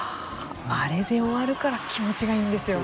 あれで終わるから気持ちがいいんですよね。